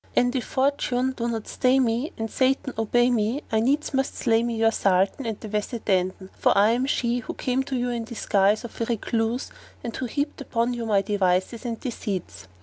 And if fortune do not stay me and Satan obey me, I needs must slay me your Sultan and the Wazir Dandan, for I am she who came to you in disguise of a Recluse and who heaped upon you my devices and deceits.